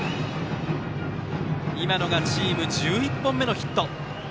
今のがチーム１１本目のヒット。